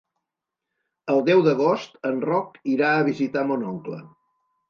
El deu d'agost en Roc irà a visitar mon oncle.